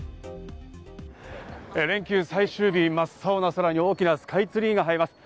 連休最終日、真っ青な空に大きなスカイツリーが映えます。